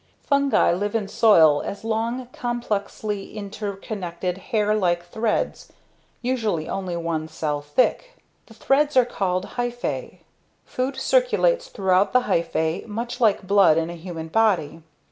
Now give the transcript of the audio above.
Fungi live in soil as long, complexly interconnected hair like threads usually only one cell thick. The threads are called "hyphae." Food circulates throughout the hyphae much like blood in a human body.